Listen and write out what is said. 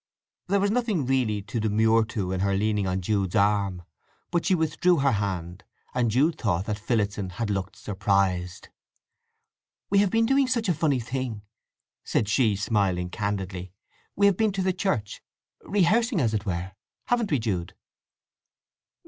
There was nothing really to demur to in her leaning on Jude's arm; but she withdrew her hand, and Jude thought that Phillotson had looked surprised. "We have been doing such a funny thing!" said she, smiling candidly. "We've been to the church, rehearsing as it were. Haven't we, Jude?"